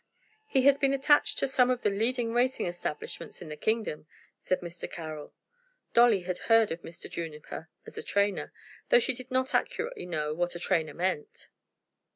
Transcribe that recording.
"He has been attached to some of the leading racing establishments in the kingdom," said Mr. Carroll. Dolly had heard of Mr. Juniper as a trainer, though she did not accurately know what a trainer meant.